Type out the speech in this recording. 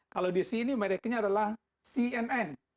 kalau di sini mereknya adalah cnn